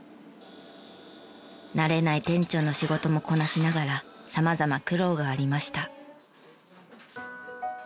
慣れない店長の仕事もこなしながら様々苦労がありました。